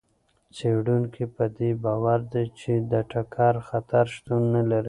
څېړونکي په دې باور دي چې د ټکر خطر شتون نه لري.